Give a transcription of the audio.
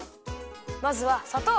まずはさとう！